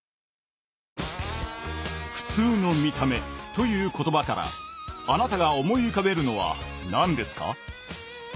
「ふつうの見た目」という言葉からあなたが思い浮かべるのは何ですか？